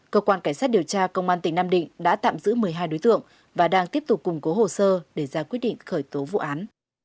cơ quan cảnh sát điều tra công an tỉnh nam định đã tạm giữ một mươi hai đối tượng và đang tiếp tục củng cố hồ sơ để ra quyết định khởi tố vụ án